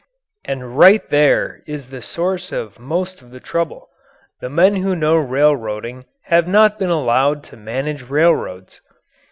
And right there is the source of most of the trouble. The men who know railroading have not been allowed to manage railroads.